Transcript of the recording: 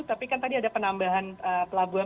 tapi kan tadi ada penambahan pelabuhan